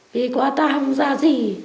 vì qua tao không ra gì